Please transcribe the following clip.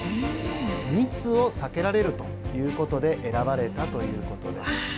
密を避けられるということで選ばれたということです。